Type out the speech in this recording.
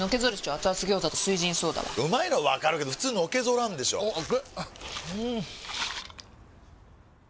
アツアツ餃子と「翠ジンソーダ」はうまいのはわかるけどフツーのけぞらんでしょアツ！